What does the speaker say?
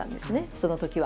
そのときは。